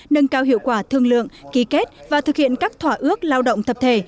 nâng cao hiệu quả thương lượng ký kết và thực hiện các thỏa ước lao động thập thể